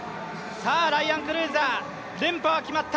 ライアン・クルーザー、連覇は決まった。